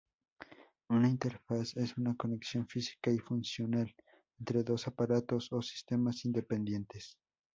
Una interfaz es una Conexión física y funcional entre dos aparatos o sistemas independientes.